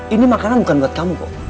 ini makanan bukan buat kamu kok